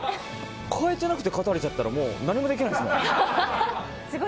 変えてなくて勝たれちゃったら何もできないですもん。